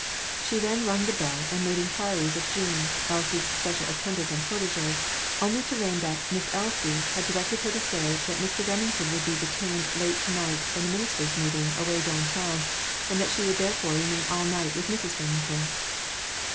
Then she rung the bell and made inquiries of Jean, Elsie's special attendant and protege, only to learn that "Miss Elsie" had directed her to say that Mr. Remington would be detained late to night at a ministers' meeting away down town, and that she would therefore remain all night with Mrs. Remington.